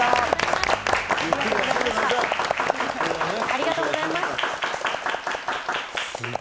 ありがとうございます。